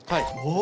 お！